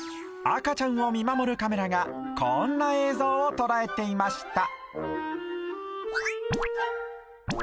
赤ちゃんを見守るカメラがこんな映像を捉えていました